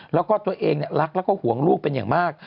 แล้วก็ตัวเองรักแล้วก็ห่วงลูกเป็นอย่างมาก